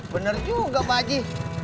bener juga pak ji